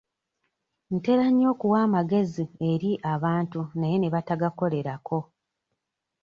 Ntera nnyo okuwa amagezi eri abantu naye ne batagakolerako.